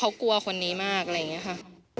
เขากลัวคนนี้มากอะไรอย่างนี้ค่ะ